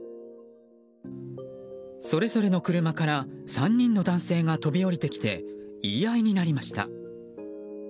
それぞれの車から３人の男性が飛び降りてきて言い合いになりました。